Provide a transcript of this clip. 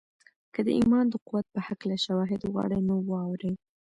که د ایمان د قوت په هکله شواهد غواړئ نو واورئ